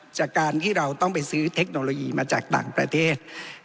จากการที่เราต้องไปซื้อเทคโนโลยีมาจากต่างประเทศ